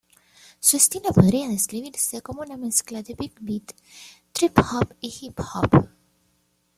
Su estilo podría describirse como una mezcla de big beat, trip-hop y hip hop.